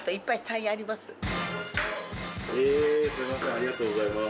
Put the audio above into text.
ありがとうございます。